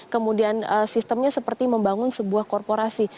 kemudian sistemnya seperti membangun sebuah korporasi